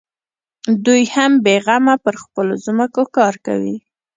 دوى هم بېغمه پر خپلو ځمکو کار کوي.